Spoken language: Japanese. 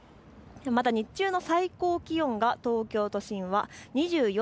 また日中の最高気温が東京都心は２４．５度。